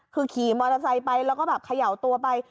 คือขี่มอเตอร์ไซค์ไปแล้วก็แบบเขย่าตัวไป